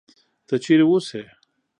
ته چېرې اوسې؟